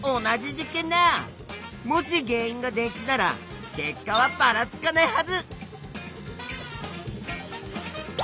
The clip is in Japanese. もし原いんが電池なら結果はばらつかないはず！